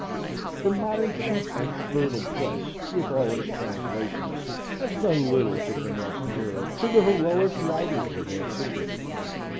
The modern cheap and fertile press, with all its translations, has done little to bring us nearer to the heroic writers of antiquity.